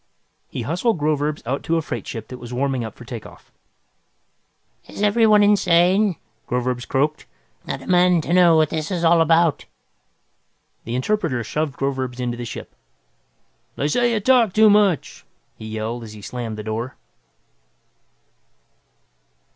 He hustled Groverzb out to a freight ship that was warming up for takeoff. "Is everyone insane?" Groverzb croaked. "I demand to know what this is all about!" The interpreter shoved Groverzb into the ship. "They say you talk too much!" he yelled, as he slammed the door.